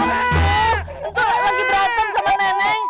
engkau lagi berantem sama nenek